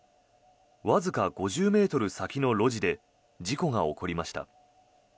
わずか５０ｍ先の路地で事故が起こりました。